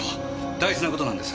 大事な事なんです。